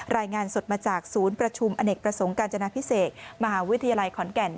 รายงานสดมาจากศูนย์ประชุมอเนกประสงค์การจนาพิเศษมหาวิทยาลัยขอนแก่น